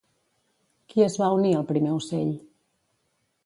Qui es va unir al primer ocell?